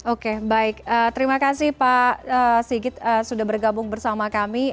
oke baik terima kasih pak sigit sudah bergabung bersama kami